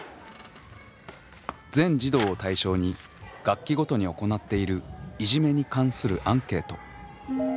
全児童を対象に学期ごとに行っているいじめに関するアンケート。